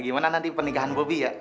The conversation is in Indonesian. gimana nanti pernikahan bobi ya